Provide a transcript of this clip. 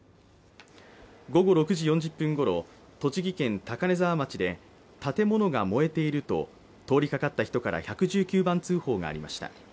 午後６時４０分ごろ、栃木県高根沢町で建物が燃えていると通りかかった人から１１９番通報がありました。